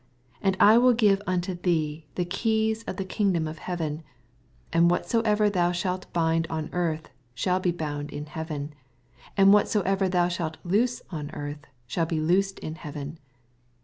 19 And I will give unto thee the keys of the kingdom of heaven : and whatsoever thou shalt bind on earth shall be bound in heaven : and what soever thou shalt loose on earth shall be loosed in heaven.